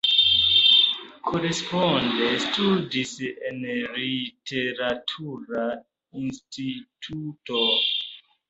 Koresponde studis en Literatura Instituto.